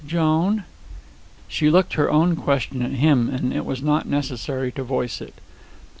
"Joan." She looked her own question at him, and it was not necessary to voice it.